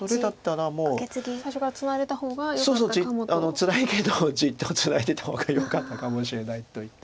つらいけどじっとツナいでた方がよかったかもしれないといった。